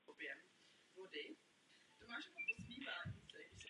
V prvních letech války bojoval na ruské a italské frontě.